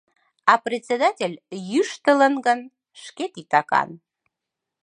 А председатель йӱштылын гын — шке титакан.